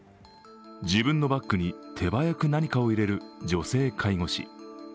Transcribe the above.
自分のバッグに手早く何かを入れる女性介護士。